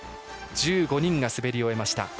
１５人が滑り終えました。